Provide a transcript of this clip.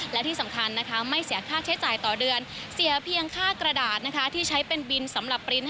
และที่สำคัญนะคะไม่เสียค่าใช้จ่ายต่อเดือนเสียเพียงค่ากระดาษที่ใช้เป็นบินสำหรับปริ้น๕